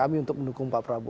kami untuk mendukung pak prabowo